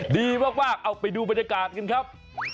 ดีมากเอาไปดูบรรยากาศกันครับ